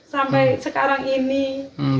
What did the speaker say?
sampai sekarang ini